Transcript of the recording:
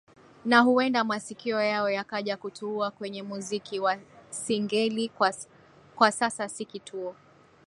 na huenda masikio yao yakaja kutua kwenye muziki wa Singeli Kwa sasa si kituo